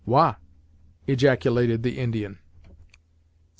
"Wah!" ejaculated the Indian.